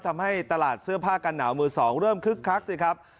ทำให้ตลาดเสื้อผ้ากันหนาวมือสองเริ่มคึกคักสิครับ